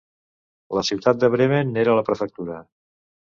La ciutat de Bremen n'era la prefectura.